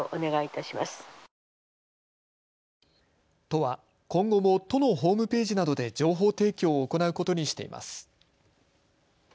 都は今後も都のホームページなどで情報提供を行うことにしています。